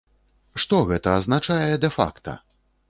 Што гэта азначае дэ-факта?